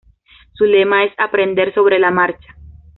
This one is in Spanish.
Su lema es "aprender sobre la marcha".